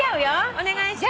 お願いします。